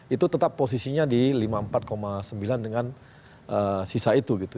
itu tetap posisinya di lima puluh empat sembilan dengan sisa itu gitu